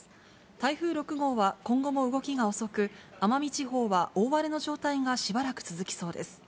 台風６号は今後も動きが遅く、奄美地方は大荒れの状態がしばらく続きそうです。